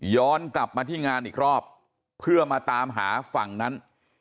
กลับมาที่งานอีกรอบเพื่อมาตามหาฝั่งนั้น